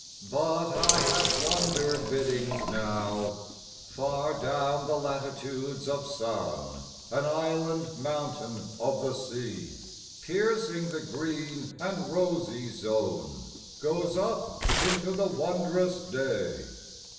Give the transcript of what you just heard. But I have wander biddings now. Far down the latitudes of sun, An island mountain of the sea, Piercing the green and rosy zone, Goes up into the wondrous day.